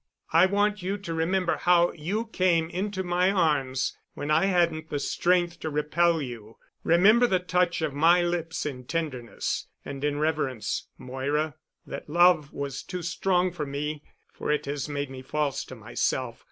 I want you to remember how you came into my arms when I hadn't the strength to repel you, remember the touch of my lips in tenderness—and in reverence—Moira ... that love was too strong for me ... for it has made me false to myself